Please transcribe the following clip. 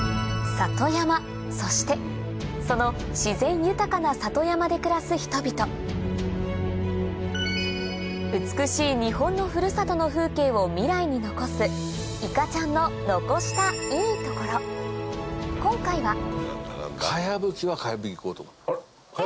里山そしてその自然豊かな里山で暮らす人々美しい日本のふるさとの風景を未来に残す今回は茅ぶきは茅ぶきでいこうと思ってる。